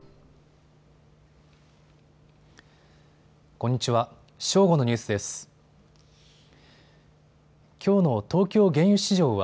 こんにちは。